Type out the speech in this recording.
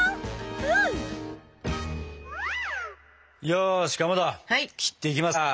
よしかまど切っていきますか。